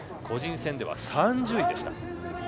個人戦では３０位でした。